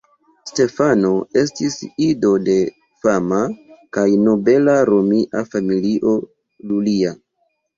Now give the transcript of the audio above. Stefano estis ido de fama kaj nobela romia familio "Iulia".